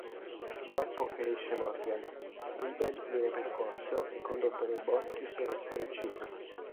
Il colpo ferisce Morgan; Abel viene percosso e condotto nei boschi per essere ucciso.